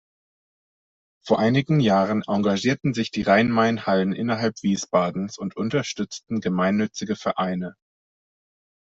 Vor einigen Jahren engagierten sich die Rhein-Main-Hallen innerhalb Wiesbadens und unterstützten gemeinnützige Vereine.